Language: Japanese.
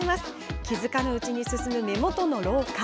気付かぬうちに進む目元の老化